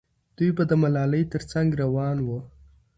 دوی به د ملالۍ تر څنګ روان وو.